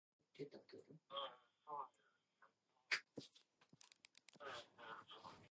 Exclusively marine.